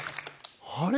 あれ？